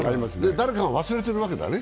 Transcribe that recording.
誰かが忘れているわけだね。